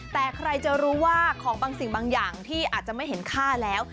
แต่ใครจะรู้ว่าของบางสิ่งบางอย่างที่อาจจะไม่เห็นค่าแล้ว